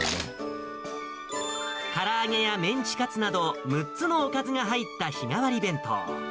から揚げやメンチカツなど、６つのおかずが入った日替わり弁当。